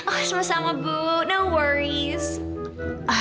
oh sama sama bu jangan risau